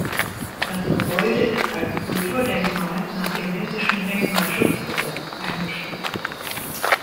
Das Gebäude ist als Kulturdenkmal nach dem Hessischen Denkmalschutzgesetz eingestuft.